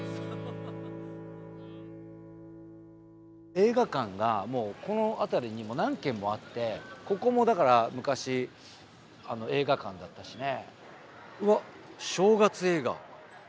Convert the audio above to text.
映画館がこの辺りに何軒もあってここも昔、映画館だったしね。